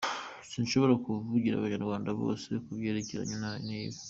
Sinshobora kuvugira Abanyarwanda bose kubyerekeranye n’ibi.